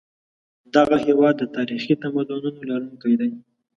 دغه هېواد د تاریخي تمدنونو لرونکی دی.